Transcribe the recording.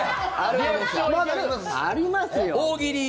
ありますよ。